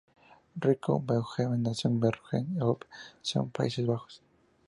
Rico Verhoeven nació en Bergen op Zoom, Países Bajos.